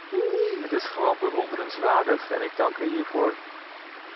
Het is gewoon bewonderenswaardig en ik dank u hiervoor.